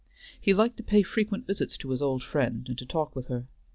He liked to pay frequent visits to his old friend, and to talk with her.